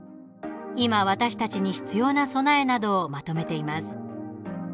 今、私たちに必要な備えなどをまとめています。